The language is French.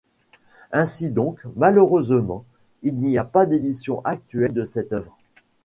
Ainsi donc, malheureusement, il n'y a pas d'édition actuelle de cette œuvre.